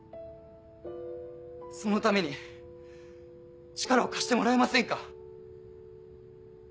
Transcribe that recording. そのために力を貸してもらえませんか？